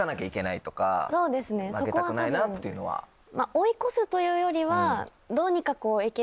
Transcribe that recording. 追い越すというよりはどうにか。